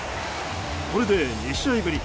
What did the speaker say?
これで２試合ぶり